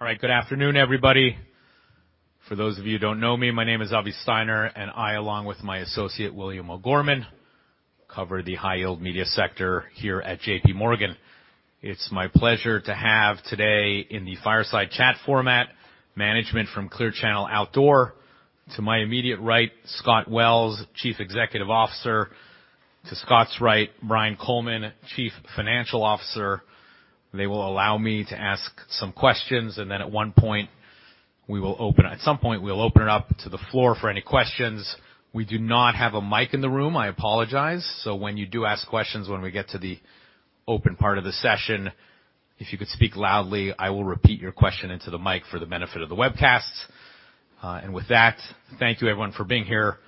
All right. Good afternoon, everybody. For those of you who don't know me, my name is Avi Steiner. I along with my associate, William O'Gorman, cover the high-yield media sector here at JPMorgan. It's my pleasure to have today in the fireside chat format, management from Clear Channel Outdoor. To my immediate right, Scott Wells, Chief Executive Officer. To Scott's right, Brian Coleman, Chief Financial Officer. They will allow me to ask some questions. At some point, we'll open it up to the floor for any questions. We do not have a mic in the room. I apologize. When you do ask questions when we get to the open part of the session, if you could speak loudly, I will repeat your question into the mic for the benefit of the webcast. With that, thank you everyone for being here.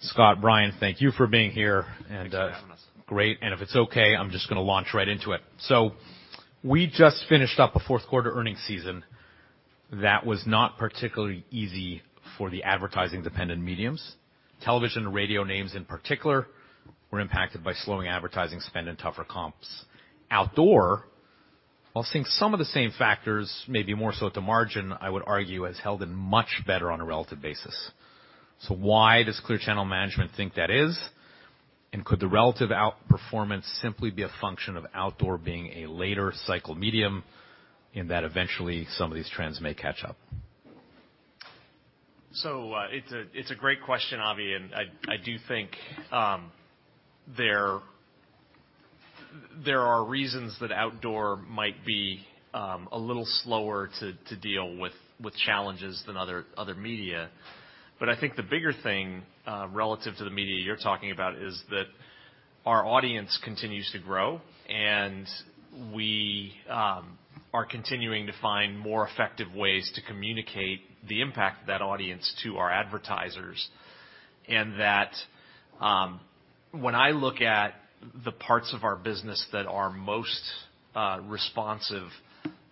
Scott, Brian, thank you for being here. Thanks for having us. Great. If it's okay, I'm just gonna launch right into it. We just finished up a fourth quarter earnings season that was not particularly easy for the advertising-dependent mediums. Television and radio names, in particular, were impacted by slowing advertising spend and tougher comps. Outdoor, while seeing some of the same factors, maybe more so at the margin, I would argue, has held in much better on a relative basis. Why does Clear Channel management think that is? Could the relative outperformance simply be a function of outdoor being a later cycle medium and that eventually some of these trends may catch up? It's a great question, Avi, and I do think, there are reasons that outdoor might be a little slower to deal with challenges than other media. I think the bigger thing, relative to the media you're talking about is that our audience continues to grow, and we are continuing to find more effective ways to communicate the impact of that audience to our advertisers. That, when I look at the parts of our business that are most responsive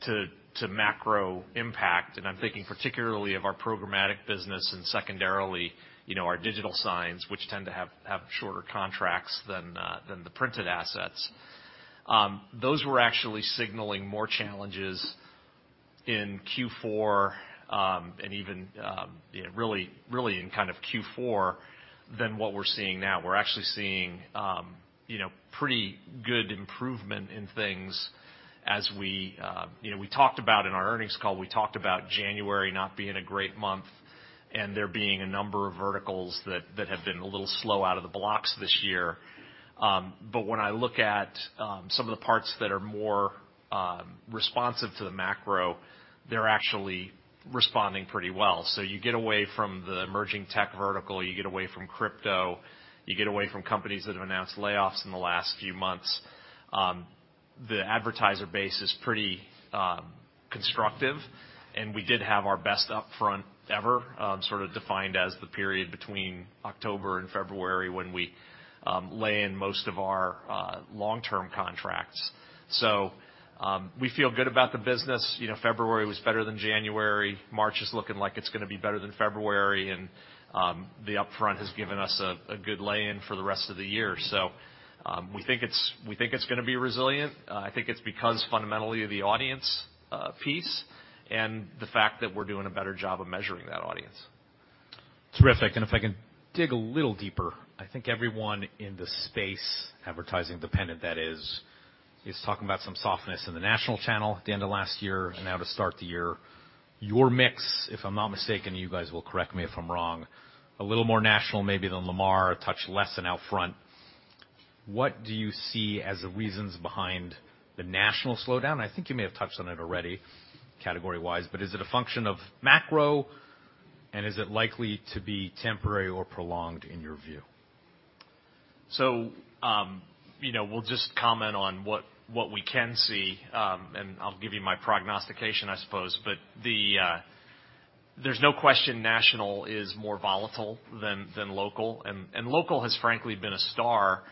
to macro impact, and I'm thinking particularly of our programmatic business and secondarily, you know, our digital signs, which tend to have shorter contracts than the printed assets. Those were actually signaling more challenges in Q4, and even really in kind of Q4 than what we're seeing now. We're actually seeing, you know, pretty good improvement in things as we. You know, we talked about in our earnings call, we talked about January not being a great month and there being a number of verticals that have been a little slow out of the blocks this year. When I look at some of the parts that are more responsive to the macro, they're actually responding pretty well. You get away from the emerging tech vertical, you get away from crypto, you get away from companies that have announced layoffs in the last few months. The advertiser base is pretty constructive, we did have our best upfront ever, sort of defined as the period between October and February when we lay in most of our long-term contracts. We feel good about the business. You know, February was better than January. March is looking like it's gonna be better than February. The upfront has given us a good lay in for the rest of the year. We think it's gonna be resilient. I think it's because fundamentally the audience piece and the fact that we're doing a better job of measuring that audience. Terrific. If I can dig a little deeper, I think everyone in this space, advertising dependent that is talking about some softness in the national channel at the end of last year and now to start the year. Your mix, if I'm not mistaken, you guys will correct me if I'm wrong, a little more national maybe than Lamar, a touch less than OUTFRONT. What do you see as the reasons behind the national slowdown? I think you may have touched on it already category-wise, but is it a function of macro, and is it likely to be temporary or prolonged in your view? You know, we'll just comment on what we can see, and I'll give you my prognostication, I suppose. There's no question national is more volatile than local, and local has frankly been a star,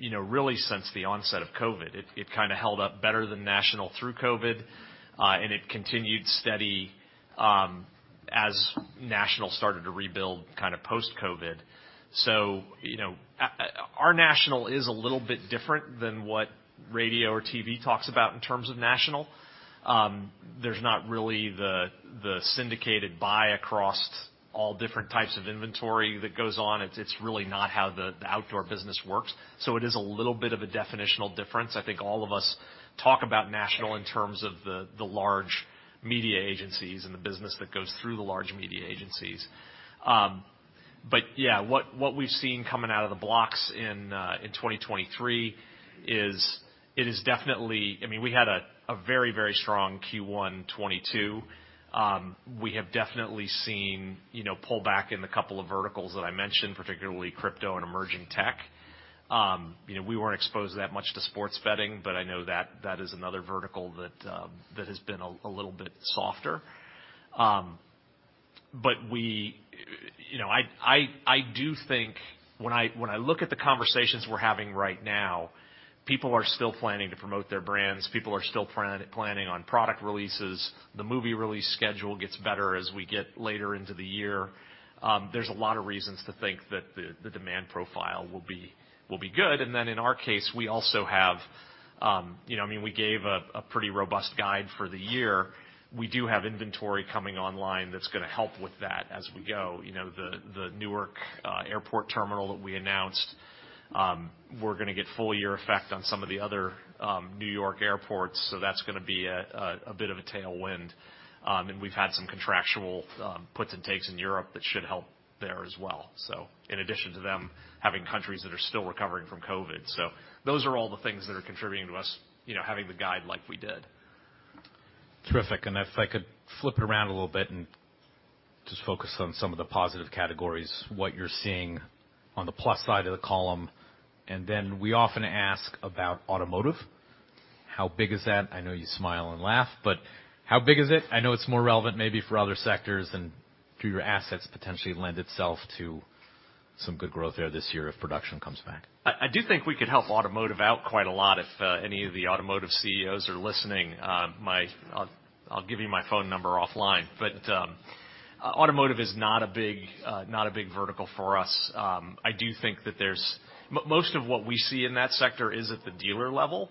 you know, really since the onset of COVID. It kinda held up better than national through COVID, and it continued steady, as national started to rebuild kinda post-COVID. You know, our national is a little bit different than what radio or TV talks about in terms of national. There's not really the syndicated buy across all different types of inventory that goes on. It's really not how the outdoor business works, so it is a little bit of a definitional difference. I think all of us talk about national in terms of the large media agencies and the business that goes through the large media agencies. Yeah, what we've seen coming out of the blocks in 2023 is it is definitely. I mean, we had a very, very strong Q1 2022. We have definitely seen, you know, pull back in the couple of verticals that I mentioned, particularly crypto and emerging tech. You know, we weren't exposed that much to sports betting. I know that is another vertical that has been a little bit softer. We, you know, I do think when I look at the conversations we're having right now, people are still planning to promote their brands, people are still planning on product releases. The movie release schedule gets better as we get later into the year. There's a lot of reasons to think that the demand profile will be, will be good. In our case, we also have, you know, I mean, we gave a pretty robust guide for the year. We do have inventory coming online that's gonna help with that as we go. You know, the Newark airport terminal that we announced, we're gonna get full year effect on some of the other New York airports, so that's gonna be a, a bit of a tailwind. We've had some contractual puts and takes in Europe that should help there as well. In addition to them having countries that are still recovering from COVID. Those are all the things that are contributing to us, you know, having the guide like we did. Terrific. If I could flip it around a little bit and just focus on some of the positive categories, what you're seeing on the plus side of the column, and then we often ask about automotive. How big is that? I know you smile and laugh, but how big is it? I know it's more relevant maybe for other sectors and do your assets potentially lend itself to some good growth there this year if production comes back. I do think we could help automotive out quite a lot. If any of the automotive CEOs are listening, I'll give you my phone number offline. Automotive is not a big vertical for us. I do think that Most of what we see in that sector is at the dealer level.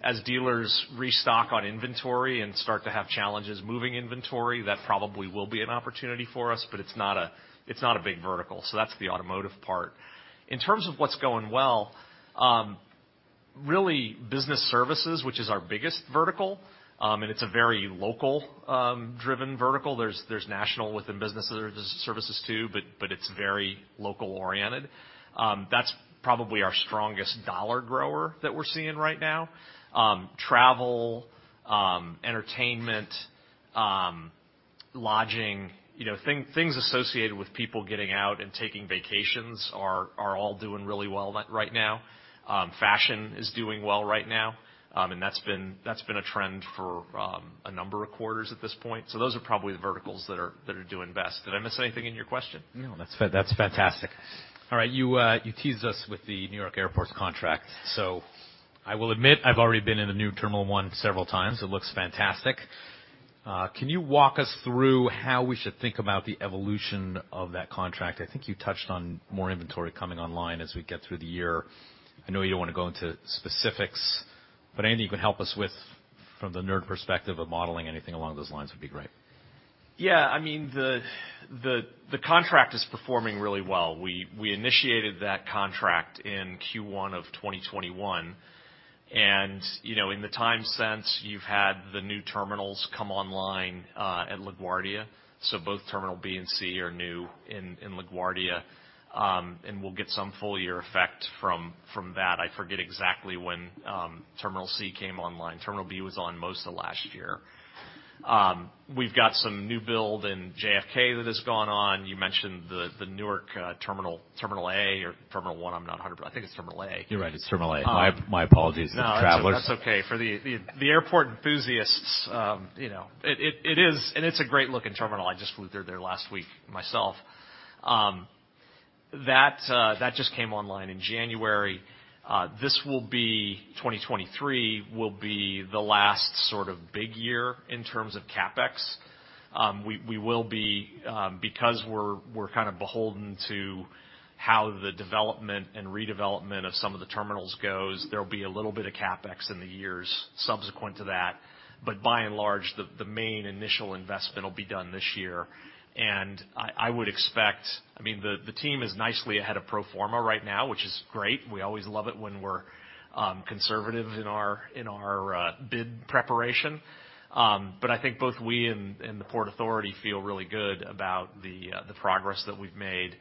As dealers restock on inventory and start to have challenges moving inventory, that probably will be an opportunity for us, but it's not a big vertical. That's the automotive part. In terms of what's going well, really business services, which is our biggest vertical, and it's a very local, driven vertical. There's national within business services too, but it's very local oriented. That's probably our strongest dollar grower that we're seeing right now. Travel, entertainment, lodging, you know, things associated with people getting out and taking vacations are all doing really well right now. Fashion is doing well right now. That's been a trend for a number of quarters at this point. Those are probably the verticals that are doing best. Did I miss anything in your question? No, that's fantastic. All right, you teased us with the New York airports contract. I will admit I've already been in the new terminal one several times. It looks fantastic. Can you walk us through how we should think about the evolution of that contract? I think you touched on more inventory coming online as we get through the year. I know you don't wanna go into specifics, but anything you can help us with from the nerd perspective of modeling, anything along those lines would be great. Yeah, I mean, the contract is performing really well. We initiated that contract in Q1 of 2021, and, you know, in the time since, you've had the new terminals come online at LaGuardia. Both terminal B and C are new in LaGuardia, and we'll get some full year effect from that. I forget exactly when terminal C came online. Terminal B was on most of last year. We've got some new build in JFK that has gone on. You mentioned the Newark terminal A or terminal 1, I'm not a hundred. I think it's terminal A. You're right, it's terminal A. Um- My apologies to the travelers. No, that's okay. For the airport enthusiasts, you know, it is, and it's a great-looking terminal. I just flew through there last week myself. That just came online in January. 2023 will be the last sort of big year in terms of CapEx. We will be, because we're kind of beholden to how the development and redevelopment of some of the terminals goes, there'll be a little bit of CapEx in the years subsequent to that. By and large, the main initial investment will be done this year. I would expect. I mean, the team is nicely ahead of pro forma right now, which is great. We always love it when we're conservative in our bid preparation. I think both we and the Port Authority feel really good about the progress that we've made.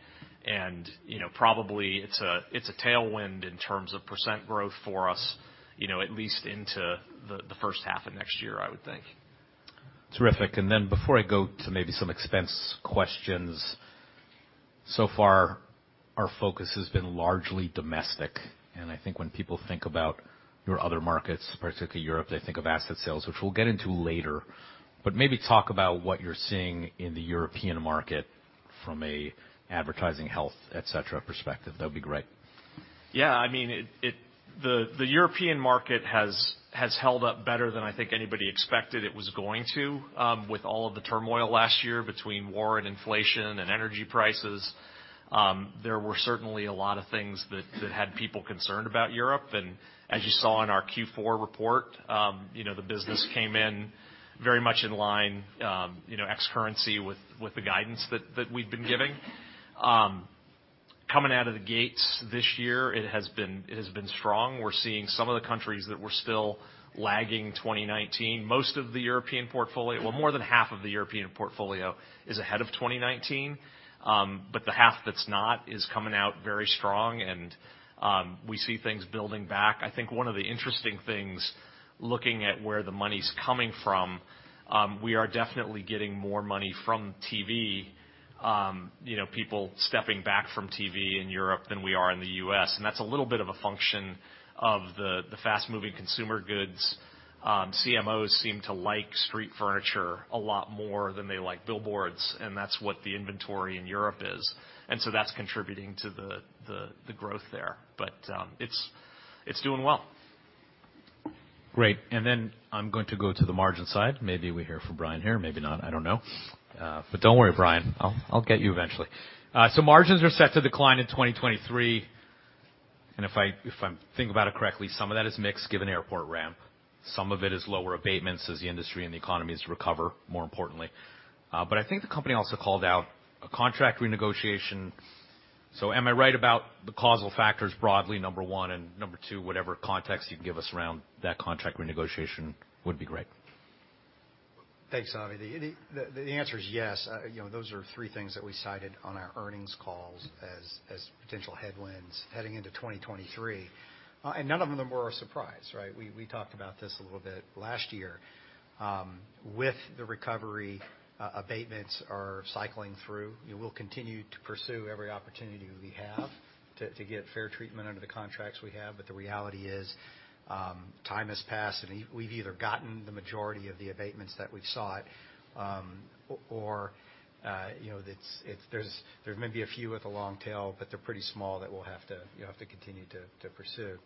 You know, probably it's a, it's a tailwind in terms of % growth for us, you know, at least into the first half of next year, I would think. Terrific. Before I go to maybe some expense questions, so far our focus has been largely domestic. I think when people think about your other markets, particularly Europe, they think of asset sales, which we'll get into later. Maybe talk about what you're seeing in the European market from a advertising health, et cetera, perspective. That'd be great. Yeah. I mean, it The European market has held up better than I think anybody expected it was going to, with all of the turmoil last year between war and inflation and energy prices. There were certainly a lot of things that had people concerned about Europe. As you saw in our Q4 report, you know, the business came in very much in line, you know, ex-currency with the guidance that we've been giving. Coming out of the gates this year, it has been strong. We're seeing some of the countries that were still lagging 2019. Well, more than half of the European portfolio is ahead of 2019. The half that's not is coming out very strong and we see things building back. I think one of the interesting things, looking at where the money's coming from, we are definitely getting more money from TV, you know, people stepping back from TV in Europe than we are in the U.S., and that's a little bit of a function of the fast-moving consumer goods. CMOs seem to like street furniture a lot more than they like billboards, and that's what the inventory in Europe is. That's contributing to the, the growth there. It's, it's doing well. Great. I'm going to go to the margin side. Maybe we hear from Brian here, maybe not, I don't know. Don't worry, Brian, I'll get you eventually. Margins are set to decline in 2023, if I'm think about it correctly, some of that is mix given airport ramp. Some of it is lower abatements as the industry and the economies recover, more importantly. I think the company also called out a contract renegotiation. Am I right about the causal factors broadly, number one, and number two, whatever context you can give us around that contract renegotiation would be great? Thanks, Avi. The answer is yes. You know, those are three things that we cited on our earnings calls as potential headwinds heading into 2023. None of them were a surprise, right? We talked about this a little bit last year. With the recovery, abatements are cycling through. We will continue to pursue every opportunity we have to get fair treatment under the contracts we have, but the reality is, time has passed, and we've either gotten the majority of the abatements that we've sought, or, you know, it's there's maybe a few with a long tail, but they're pretty small that we'll have to, you know, have to continue to pursue.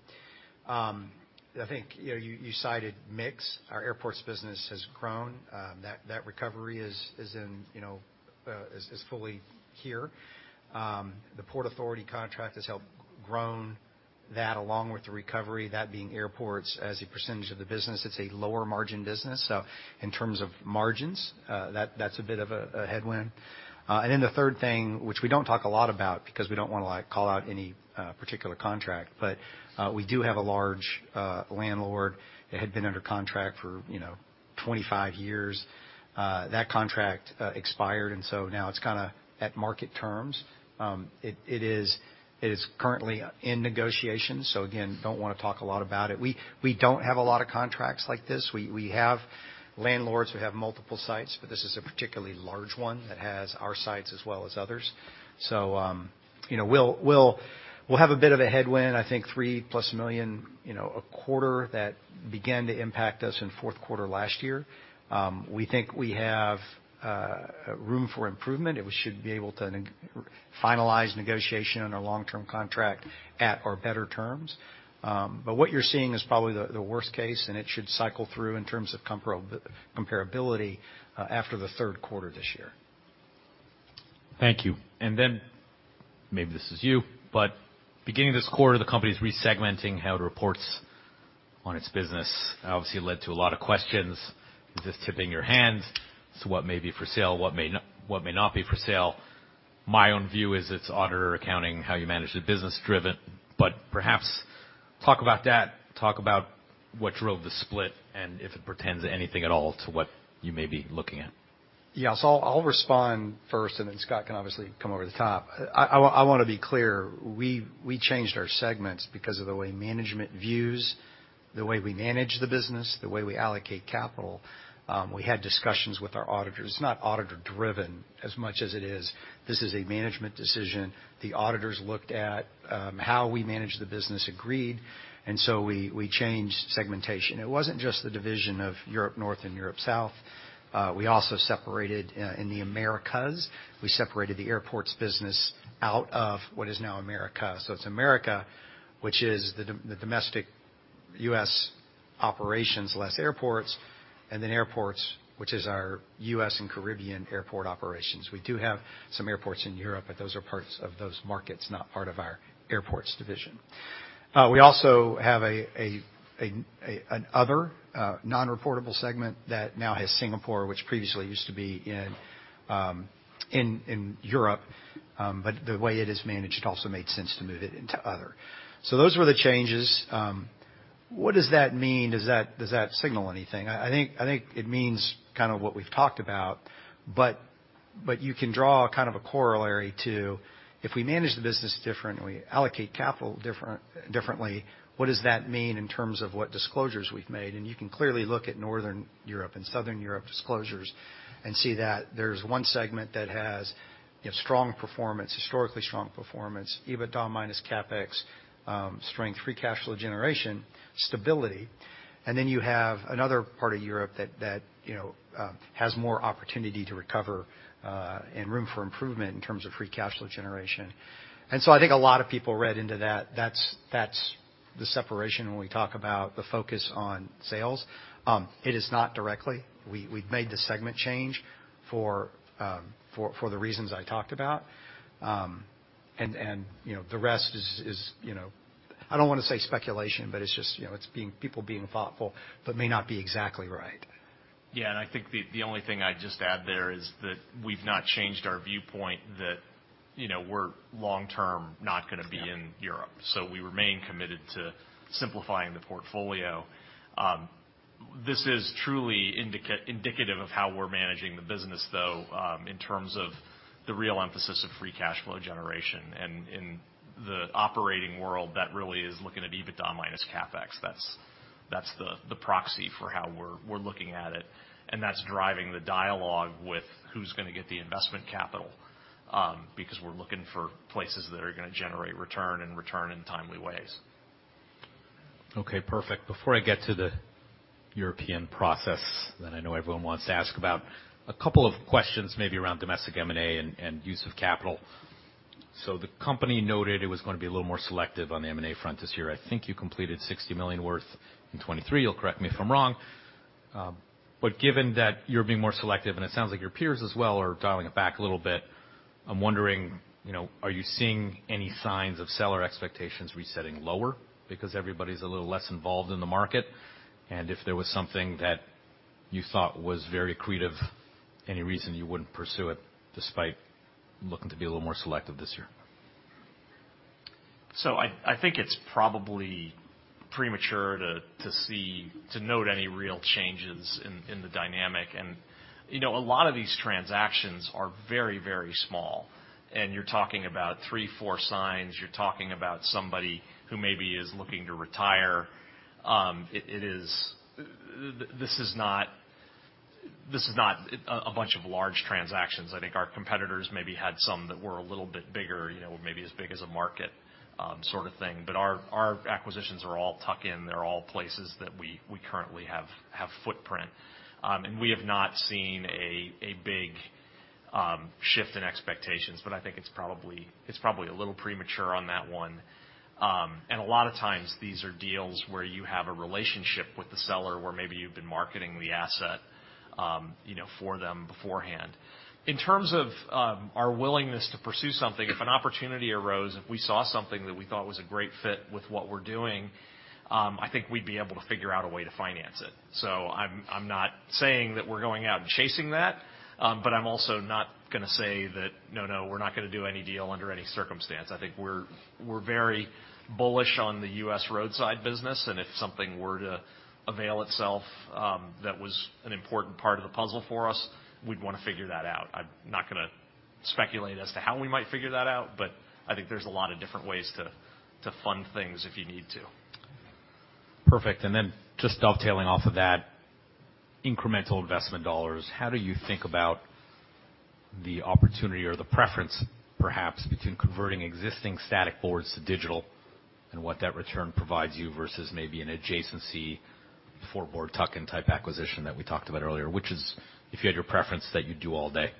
I think, you know, you cited mix. Our airports business has grown. That recovery is in, you know, is fully here. The Port Authority contract has helped grown that along with the recovery, that being airports as a percentage of the business. It's a lower margin business. In terms of margins, that's a bit of a headwind. Then the third thing, which we don't talk a lot about because we don't wanna, like, call out any particular contract, but we do have a large landlord that had been under contract for, you know, 25 years. That contract expired, now it's kinda at market terms. It is currently in negotiation, so again, don't wanna talk a lot about it. We don't have a lot of contracts like this. We have landlords who have multiple sites, but this is a particularly large one that has our sites as well as others. You know, we'll have a bit of a headwind, I think $3+ million, you know, a quarter that began to impact us in fourth quarter last year. We think we have room for improvement, and we should be able to then finalize negotiation on a long-term contract at or better terms. What you're seeing is probably the worst case, and it should cycle through in terms of comparability after the third quarter this year. Thank you. Maybe this is you, but beginning this quarter, the company's re-segmenting how it reports on its business obviously led to a lot of questions. Just tipping your hand to what may be for sale, what may not, what may not be for sale. My own view is it's auditor accounting, how you manage the business driven. Perhaps talk about that, talk about what drove the split, and if it portends anything at all to what you may be looking at. I'll respond first, and then Scott can obviously come over the top. I want to be clear, we changed our segments because of the way management views the way we manage the business, the way we allocate capital. We had discussions with our auditors. It's not auditor-driven as much as it is this is a management decision. The auditors looked at how we manage the business, agreed, we changed segmentation. It wasn't just the division of Europe-North and Europe-South. We also separated in the Americas. We separated the airports business out of what is now America. It's America, which is the domestic U.S. Operations, less airports, and then airports, which is our U.S. and Caribbean airport operations. We do have some airports in Europe, but those are parts of those markets, not part of our airports division. We also have an other non-reportable segment that now has Singapore, which previously used to be in Europe, the way it is managed, it also made sense to move it into other. Those were the changes. What does that mean? Does that signal anything? I think it means kind of what we've talked about, but you can draw kind of a corollary to if we manage the business differently, allocate capital differently, what does that mean in terms of what disclosures we've made? You can clearly look at Northern Europe and Southern Europe disclosures and see that there's one segment that has, you know, strong performance, historically strong performance, EBITDA minus CapEx strength, free cash flow generation, stability. Then you have another part of Europe that, you know, has more opportunity to recover and room for improvement in terms of free cash flow generation. So I think a lot of people read into that. That's the separation when we talk about the focus on sales. It is not directly. We've made the segment change for the reasons I talked about. You know, the rest is, you know, I don't wanna say speculation, but it's just, you know, it's people being thoughtful, but may not be exactly right. Yeah. I think the only thing I'd just add there is that, you know, we're long term not gonna be in Europe. We remain committed to simplifying the portfolio. This is truly indicative of how we're managing the business, though, in terms of the real emphasis of free cash flow generation and in the operating world that really is looking at EBITDA minus CapEx. That's the proxy for how we're looking at it. That's driving the dialogue with who's gonna get the investment capital, because we're looking for places that are gonna generate return and return in timely ways. Okay, perfect. Before I get to the European process that I know everyone wants to ask about, a couple of questions maybe around domestic M&A and use of capital. The company noted it was gonna be a little more selective on the M&A front this year. I think you completed $60 million worth in 2023. You'll correct me if I'm wrong. Given that you're being more selective, and it sounds like your peers as well are dialing it back a little bit, I'm wondering, you know, are you seeing any signs of seller expectations resetting lower because everybody's a little less involved in the market? If there was something that you thought was very accretive, any reason you wouldn't pursue it despite looking to be a little more selective this year? I think it's probably premature to note any real changes in the dynamic. You know, a lot of these transactions are very, very small, and you're talking about three, four signs. You're talking about somebody who maybe is looking to retire. It is not a bunch of large transactions. I think our competitors maybe had some that were a little bit bigger, you know, maybe as big as a market sort of thing. Our acquisitions are all tuck-in. They're all places that we currently have footprint. We have not seen a big shift in expectations, but I think it's probably a little premature on that one. A lot of times these are deals where you have a relationship with the seller, where maybe you've been marketing the asset, you know, for them beforehand. In terms of our willingness to pursue something, if an opportunity arose, if we saw something that we thought was a great fit with what we're doing, I think we'd be able to figure out a way to finance it. I'm not saying that we're going out and chasing that, but I'm also not gonna say that, "No, we're not gonna do any deal under any circumstance." I think we're very bullish on the U.S. roadside business, and if something were to avail itself, that was an important part of the puzzle for us, we'd wanna figure that out. I'm not gonna speculate as to how we might figure that out, but I think there's a lot of different ways to fund things if you need to. Perfect. Just dovetailing off of that, incremental investment dollars, how do you think about the opportunity or the preference perhaps between converting existing static boards to digital and what that return provides you versus maybe an adjacency four-board tuck-in type acquisition that we talked about earlier? Which is, if you had your preference, that you'd do all day?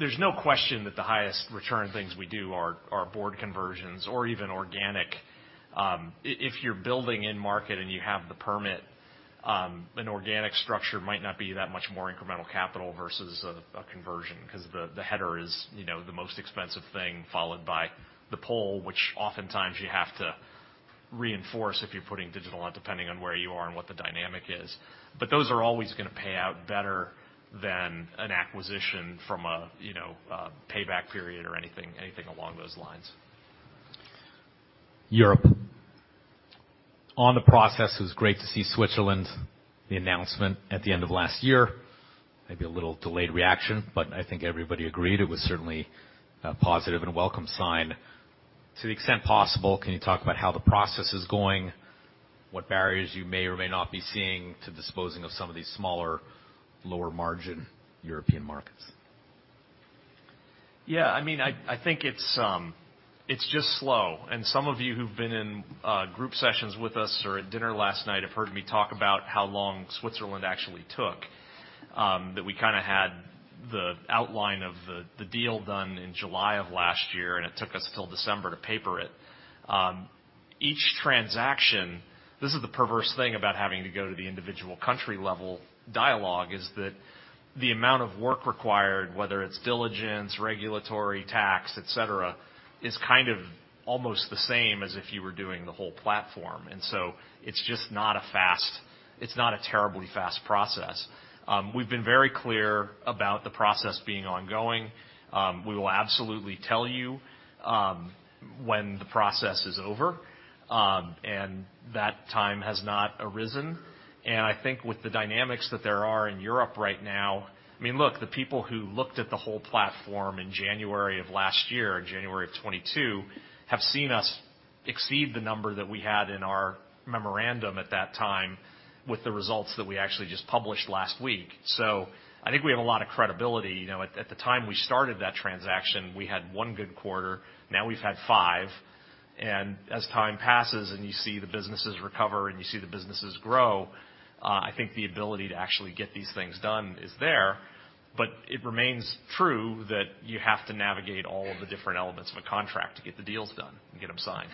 There's no question that the highest return things we do are board conversions or even organic. If you're building in market and you have the permit, an organic structure might not be that much more incremental capital versus a conversion 'cause the header is, you know, the most expensive thing, followed by the pole, which oftentimes you have to reinforce if you're putting digital on, depending on where you are and what the dynamic is. Those are always gonna pay out better than an acquisition from a, you know, a payback period or anything along those lines. Europe. On the process, it was great to see Switzerland, the announcement at the end of last year. Maybe a little delayed reaction, but I think everybody agreed it was certainly a positive and welcome sign. To the extent possible, can you talk about how the process is going, what barriers you may or may not be seeing to disposing of some of these smaller, lower margin European markets? I mean, I think it's just slow, and some of you who've been in group sessions with us or at dinner last night have heard me talk about how long Switzerland actually took. That we kinda had the outline of the deal done in July of last year, and it took us till December to paper it. Each transaction, this is the perverse thing about having to go to the individual country level dialogue is that the amount of work required, whether it's diligence, regulatory, tax, et cetera, is kind of almost the same as if you were doing the whole platform. It's just not a terribly fast process. We've been very clear about the process being ongoing. We will absolutely tell you when the process is over, and that time has not arisen. I think with the dynamics that there are in Europe right now. I mean, look, the people who looked at the whole platform in January of last year, in January of 2022, have seen us exceed the number that we had in our memorandum at that time with the results that we actually just published last week. I think we have a lot of credibility. You know, at the time we started that transaction, we had one good quarter. Now we've had five. As time passes and you see the businesses recover and you see the businesses grow, I think the ability to actually get these things done is there. It remains true that you have to navigate all of the different elements of a contract to get the deals done and get them signed.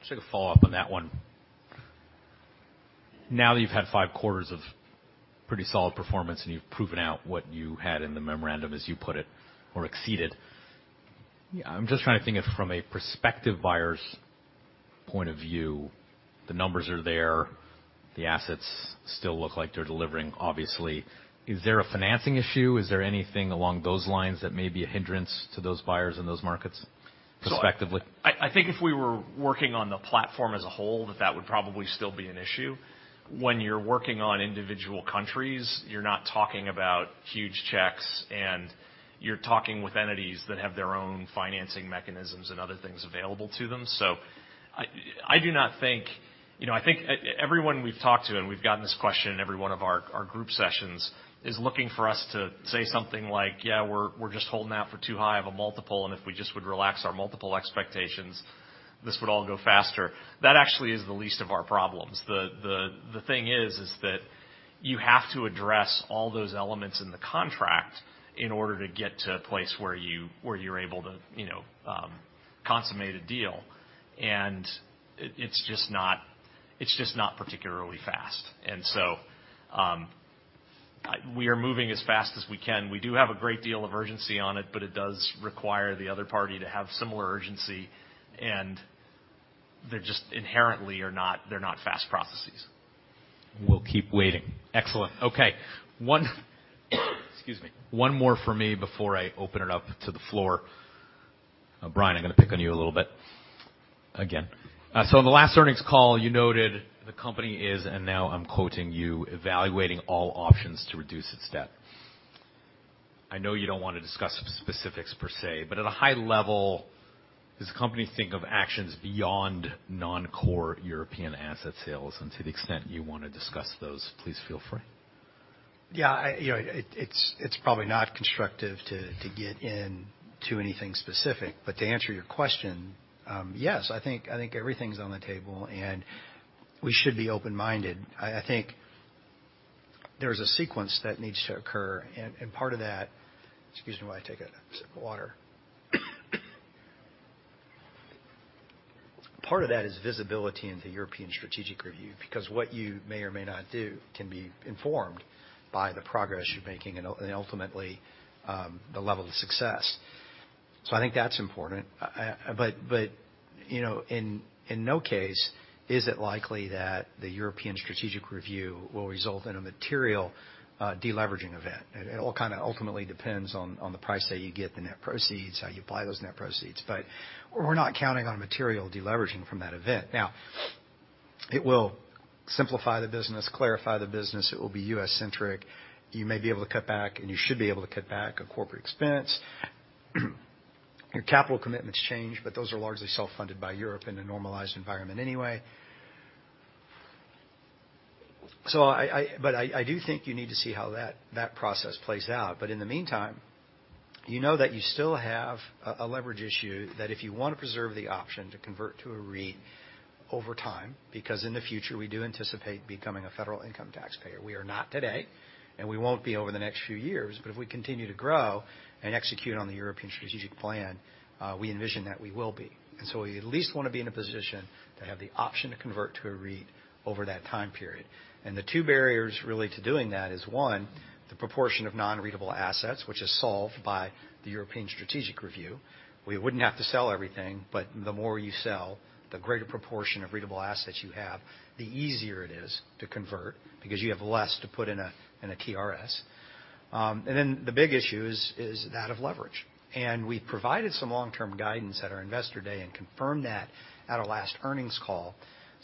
Just like a follow-up on that one. Now that you've had five quarters of pretty solid performance and you've proven out what you had in the memorandum, as you put it, or exceeded, I'm just trying to think if from a prospective buyer's point of view, the numbers are there, the assets still look like they're delivering, obviously. Is there a financing issue? Is there anything along those lines that may be a hindrance to those buyers in those markets prospectively? I think if we were working on the platform as a whole, that would probably still be an issue. When you're working on individual countries, you're not talking about huge checks, and you're talking with entities that have their own financing mechanisms and other things available to them. I do not think. You know, I think everyone we've talked to, and we've gotten this question in every one of our group sessions, is looking for us to say something like, "Yeah, we're just holding out for too high of a multiple, and if we just would relax our multiple expectations, this would all go faster." That actually is the least of our problems. The thing is that you have to address all those elements in the contract in order to get to a place where you're able to, you know, consummate a deal. It's just not particularly fast. We are moving as fast as we can. We do have a great deal of urgency on it, but it does require the other party to have similar urgency, and they're just inherently are not, they're not fast processes. We'll keep waiting. Excellent. Okay. Excuse me. One more from me before I open it up to the floor. Brian, I'm gonna pick on you a little bit again. In the last earnings call, you noted the company is, and now I'm quoting you, "evaluating all options to reduce its debt." I know you don't wanna discuss specifics per se, but at a high level, does the company think of actions beyond non-core European asset sales? To the extent you wanna discuss those, please feel free. Yeah, you know, it's probably not constructive to get into anything specific. To answer your question, yes, I think everything's on the table, and we should be open-minded. I think there's a sequence that needs to occur. Part of that. Excuse me while I take a sip of water. Part of that is visibility into European strategic review, because what you may or may not do can be informed by the progress you're making and ultimately, the level of success. I think that's important. But, you know, in no case is it likely that the European strategic review will result in a material deleveraging event. It all kinda ultimately depends on the price that you get, the net proceeds, how you apply those net proceeds. We're not counting on material deleveraging from that event. It will simplify the business, clarify the business. It will be U.S.-centric. You may be able to cut back, and you should be able to cut back on corporate expense. Your capital commitments change, but those are largely self-funded by Europe in a normalized environment anyway. I do think you need to see how that process plays out. In the meantime, you know that you still have a leverage issue, that if you wanna preserve the option to convert to a REIT over time, because in the future, we do anticipate becoming a federal income taxpayer. We are not today, and we won't be over the next few years. If we continue to grow and execute on the European strategic plan, we envision that we will be. We at least wanna be in a position to have the option to convert to a REIT over that time period. The two barriers, really, to doing that is, one, the proportion of non-REITable assets, which is solved by the European strategic review. We wouldn't have to sell everything, but the more you sell, the greater proportion of REITable assets you have, the easier it is to convert because you have less to put in a TRS. The big issue is that of leverage. We've provided some long-term guidance at our investor day and confirmed that at our last earnings call.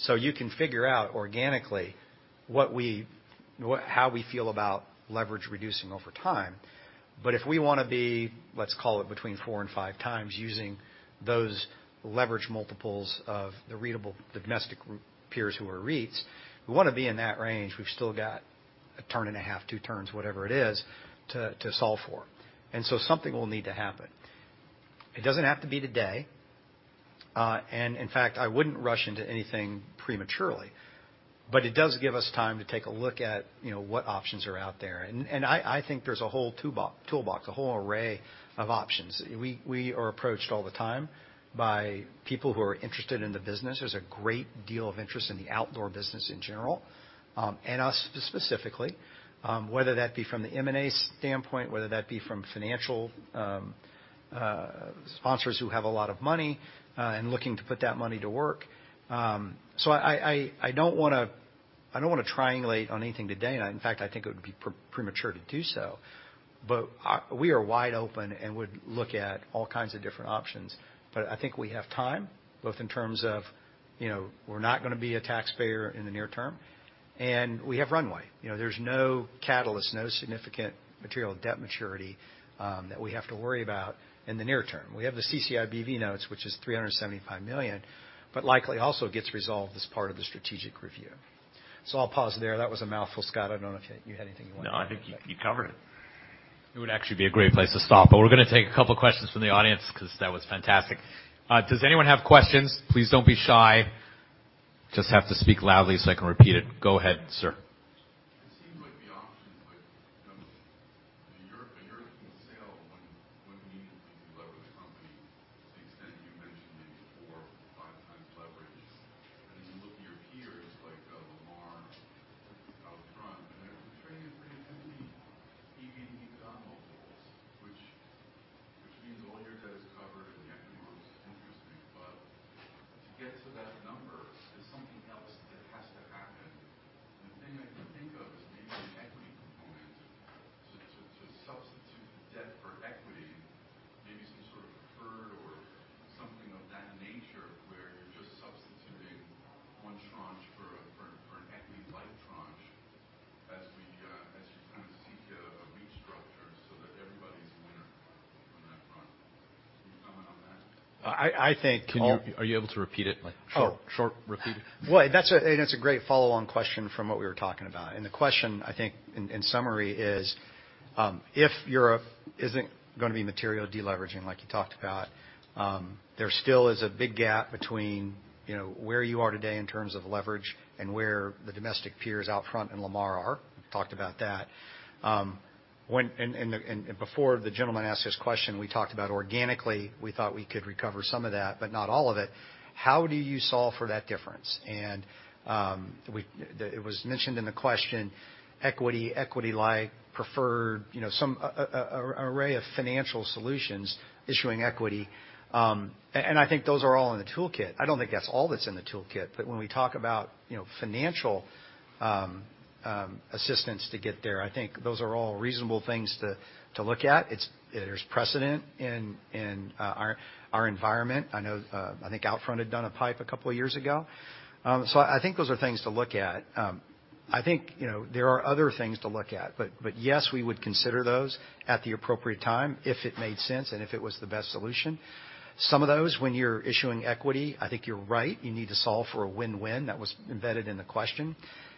You can figure out organically what we how we feel about leverage reducing over time. If we wanna be, let's call it between 4x and 5x using those leverage multiples of the REITable domestic peers who are REITs. We wanna be in that range. We've still got a turn and a half, two turns, whatever it is, to solve for. Something will need to happen. It doesn't have to be today. And in fact, I wouldn't rush into anything prematurely. It does give us time to take a look at, you know, what options are out there. And I think there's a whole toolbox, a whole array of options. We are approached all the time by people who are interested in the business. There's a great deal of interest in the outdoor business in general, and us specifically, whether that be from the M&A standpoint, whether that be from financial sponsors who have a lot of money and looking to put that money to work. I don't wanna triangulate on anything today. In fact, I think it would be premature to do so. We are wide open and would look at all kinds of different options. I think we have time, both in terms of, you know, we're not gonna be a taxpayer in the near term, and we have runway. You know, there's no catalyst, no significant material debt maturity that we have to worry about in the near term. We have the CCIBV notes, which is $375 million, likely also gets resolved as part of the strategic review. I'll pause there. That was a mouthful. Scott, I don't know if you had anything you wanted to add. I think you covered it. It would actually be a great place to stop, we're gonna take a couple questions from the audience because that was fantastic. Does anyone have questions? Please don't be shy. Just have to speak loudly so I can repeat it. Go ahead, sir. Before the gentleman asked this question, we talked about organically, we thought we could recover some of that, but not all of it. How do you solve for that difference? The, it was mentioned in the question, equity-like, preferred, you know, some, a array of financial solutions issuing equity. I think those are all in the toolkit. I don't think that's all that's in the toolkit, but when we talk about, you know, financial assistance to get there, I think those are all reasonable things to look at. There's precedent in our environment. I know, I think OUTFRONT had done a PIPE 2 years ago. I think those are things to look at. I think, you know, there are other things to look at. Yes, we would consider those at the appropriate time if it made sense and if it was the best solution. Some of those when you're issuing equity, I think you're right. You need to solve for a win-win. That was embedded in the question.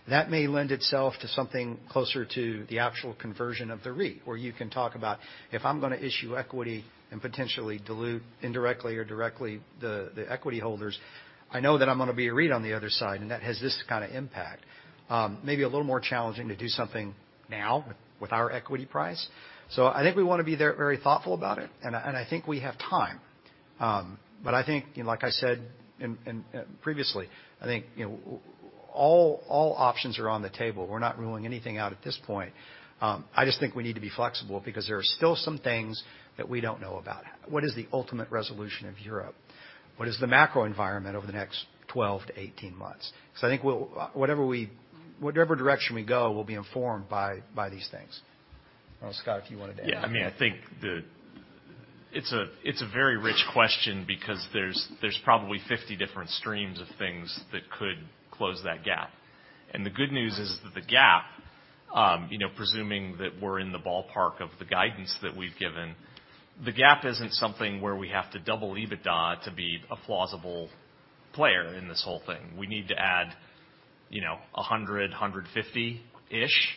That may lend itself to something closer to the actual conversion of the REIT, where you can talk about, if I'm gonna issue equity and potentially dilute indirectly or directly the equity holders, I know that I'm gonna be a REIT on the other side, and that has this kind of impact. maybe a little more challenging to do something now with our equity price. I think we wanna be there very thoughtful about it, and I think we have time. I think, you know, like I said in, previously, I think, you know, all options are on the table. We're not ruling anything out at this point. I just think we need to be flexible because there are still some things that we don't know about. What is the ultimate resolution of Europe? What is the macro environment over the next 12-18 months? I think we'll, whatever direction we go, we'll be informed by these things. I don't know, Scott, if you wanted to add anything. Yeah. I mean, I think the. It's a very rich question because there's probably 50 different streams of things that could close that gap. The good news is that the gap, you know, presuming that we're in the ballpark of the guidance that we've given, the gap isn't something where we have to double EBITDA to be a plausible player in this whole thing. We need to add, you know, $100-$150-ish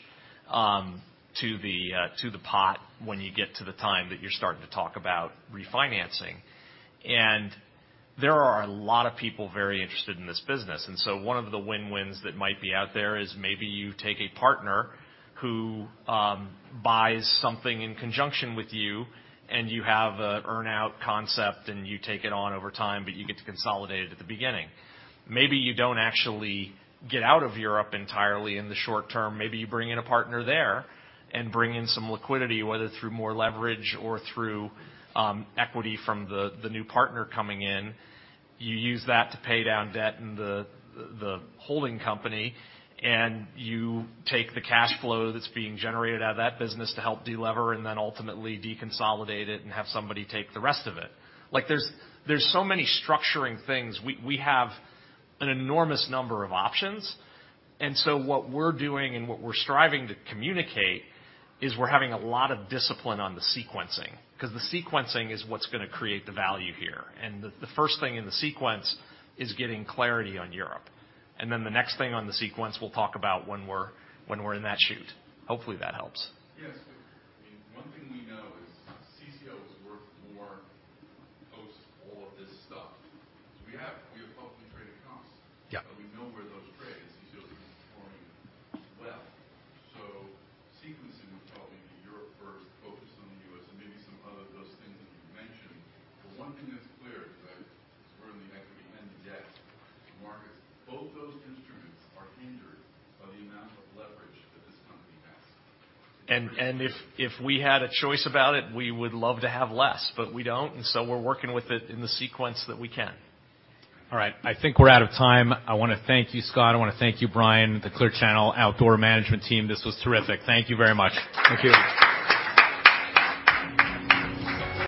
to the pot when you get to the time that you're starting to talk about refinancing. There are a lot of people very interested in this business. One of the win-wins that might be out there is maybe you take a partner who buys something in conjunction with you, and you have a earn-out concept, and you take it on over time. You get to consolidate it at the beginning. Maybe you don't actually get out of Europe entirely in the short term. Maybe you bring in a partner there and bring in some liquidity, whether through more leverage or through equity from the new partner coming in. You use that to pay down debt in the holding company, and you take the cash flow that's being generated out of that business to help de-lever and then ultimately deconsolidate it and have somebody take the rest of it. Like, there's so many structuring things. We have an enormous number of options. What we're doing and what we're striving to communicate is we're having a lot of discipline on the sequencing 'cause the sequencing is what's gonna create the value here. The first thing in the sequence is getting clarity on Europe. The next thing on the sequence we'll talk about when we're in that shoot. Hopefully, that helps.